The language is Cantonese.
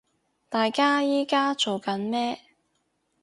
大家依家做緊咩